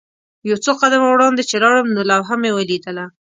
یو څو قدمه وړاندې چې لاړم نو لوحه مې ولیدله.